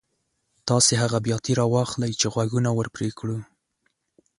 تاسې هغه بیاتي را واخلئ چې غوږونه ور پرې کړو.